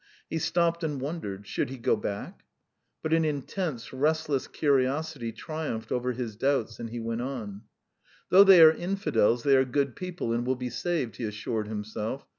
He stopped and wondered should he go back? But an intense, restless curiosity triumphed over his doubts, and he went on. "Though they are infidels they are good people, and will be saved," he assured himself.